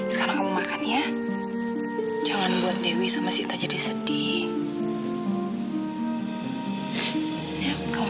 sekarang kamu makannya jangan buat dewi sama sita jadi sedih